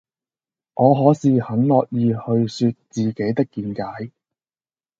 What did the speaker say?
我可是很樂意去說自己的見解